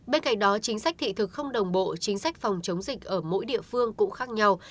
bên cạnh đó chính sách thị thực không đồng bộ chính sách phòng chống dịch ở mỗi địa phương cũng khác nhau